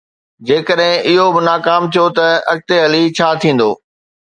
جيڪڏهن اهو به ناڪام ٿيو ته اڳتي هلي ڇا ٿيندو؟